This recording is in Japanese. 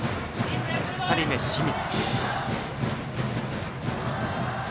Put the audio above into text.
２人目、清水。